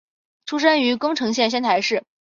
出身于宫城县仙台市。